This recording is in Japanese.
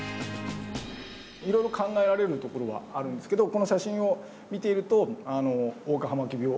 いろいろ考えられるところはあるんですけどこの写真を見ていると黄化葉巻病の可能性が。